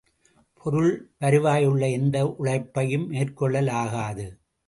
பொருள் வருவாயுள்ள எந்த உழைப்பையும் மேற்கொள்ளல் ஆகாது.